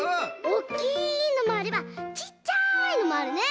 おっきいのもあればちっちゃいのもあるね！